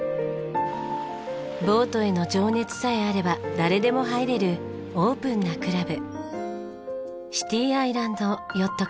ボートへの情熱さえあれば誰でも入れるオープンなクラブ。